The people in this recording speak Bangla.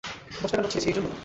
দশ টাকার নোট ছিড়েছি, এই জন্য?